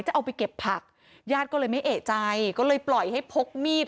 จะเอาไปเก็บผักญาติก็เลยไม่เอกใจก็เลยปล่อยให้พกมีด